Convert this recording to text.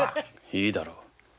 いいだろう。